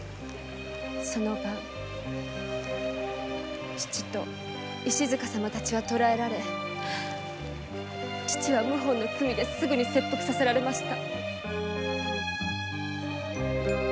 その晩父と石塚様たちは捕えられ父は謀反の罪ですぐに切腹させられました。